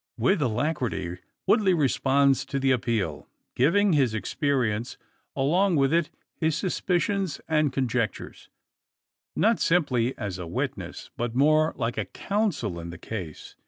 With alacrity Woodley responds to the appeal; giving his experience, along with it his suspicions and conjectures; not simply as a witness, but more like a counsel in the case.